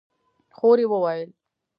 خور يې وويل: